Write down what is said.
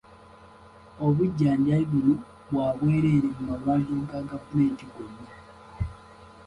Obujjanjabi buno bwa bwereere mu malwaliro ga gavumenti gonna.